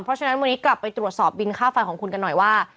เพราะฉะนั้นวันนี้กลับไปตรวจสอบบินค่าไฟของคุณกันหน่อยว่า